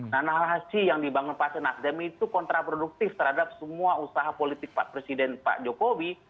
nah narasi yang dibangun partai nasdem itu kontraproduktif terhadap semua usaha politik pak presiden pak jokowi